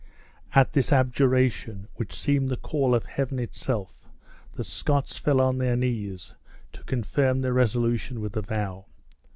At this abjuration, which seemed the call of Heaven itself, the Scots fell on their knees, to confirm their resolution with a vow.